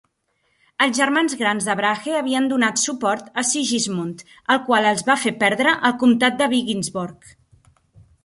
Els germans grans de Brahe havien donat suport a Sigismund, el qual els va fer perdre el comtat de Visingsborg.